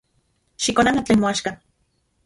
Xikonana tlen moaxka.